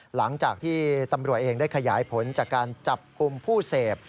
หลังจากที่ตำรวจเองได้ขยายผลจากการจับกลุ่มผู้เสพ